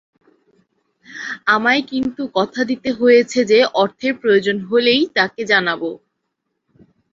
আমায় কিন্তু কথা দিতে হয়েছে যে, অর্থের প্রয়োজন হলেই তাঁকে জানাব।